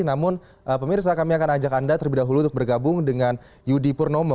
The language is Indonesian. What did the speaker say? namun pemirsa kami akan ajak anda terlebih dahulu untuk bergabung dengan yudi purnomo